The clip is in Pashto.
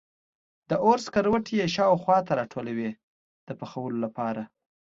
د اور سکروټي یې خوا و شا ته راټولوي د پخولو لپاره.